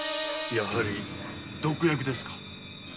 やはり毒薬ですか？